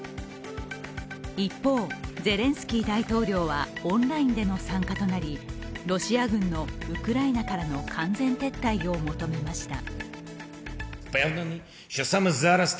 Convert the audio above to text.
一方、ゼレンスキー大統領はオンラインでの参加となり、ロシア軍のウクライナからの完全撤退を求めました。